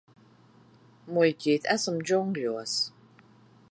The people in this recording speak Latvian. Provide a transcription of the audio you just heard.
Muļķīt, esam džungļos.